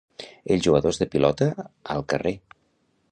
Els jugadors de pilota... al carrer.